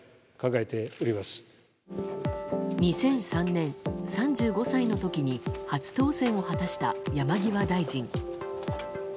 ２００３年、３５歳の時に初当選を果たした山際大臣。